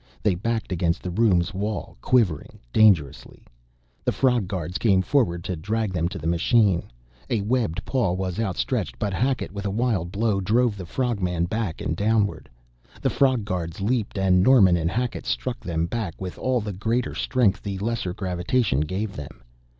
They backed against the room's wall, quivering, dangerous. The frog guards came forward to drag them to the machine. A webbed paw was outstretched but Hackett with a wild blow drove the frog man back and downward. The frog guards leaped, and Norman and Hackett struck them back with all the greater strength the lesser gravitation gave them.